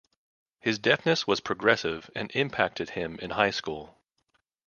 His deafness was progressive and impacted him in high school.